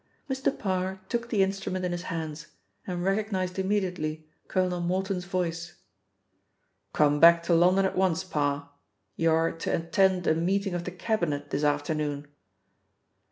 Mr. Parr took the instrument in his hands, and recognised immediately Colonel Morton's voice. "Come back to London at once, Parr; you are to attend a meeting of the Cabinet this afternoon." Mr.